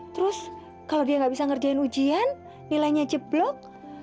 terus kalau dia nggak bisa ngerjain ujian nilainya jeblok